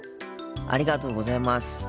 ありがとうございます。